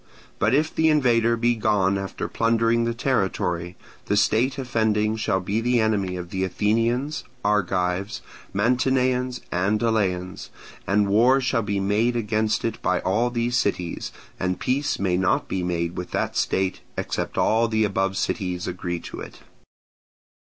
But if the invader be gone after plundering the territory, the state offending shall be the enemy of the Athenians, Argives, Mantineans, and Eleans, and war shall be made against it by all these cities, and peace may not be made with that state except all the above cities agree to it.